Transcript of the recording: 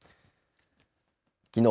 きのう